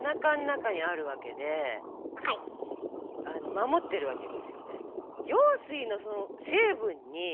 守ってるわけですよね。